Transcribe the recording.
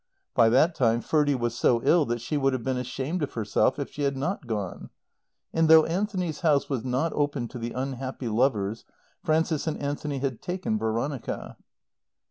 By that time Ferdie was so ill that she would have been ashamed of herself if she had not gone. And though Anthony's house was not open to the unhappy lovers, Frances and Anthony had taken Veronica.